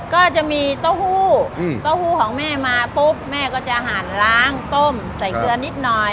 ก็จะมีเต้าหู้เต้าหู้ของแม่มาปุ๊บแม่ก็จะหั่นล้างต้มใส่เกลือนิดหน่อย